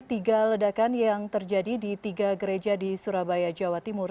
tiga ledakan yang terjadi di tiga gereja di surabaya jawa timur